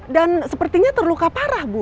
dan sepertinya terluka parah bu